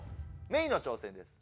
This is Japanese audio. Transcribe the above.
メイの挑戦です。